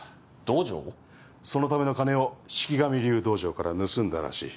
そのための金を四鬼神流道場から盗んだらしい。